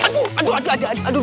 aduh aduh aduh aduh aduh aduh